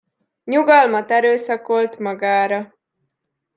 Nyugalmat erőszakolt magára.